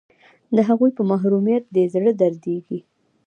د هغوی په محرومیت دې زړه دردیږي